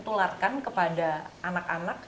tularkan kepada anak anak